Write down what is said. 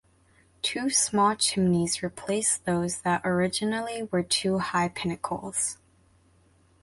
Two small chimneys replace those that originally were two high pinnacles.